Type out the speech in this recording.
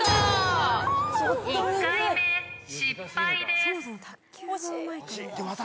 １回目、失敗です。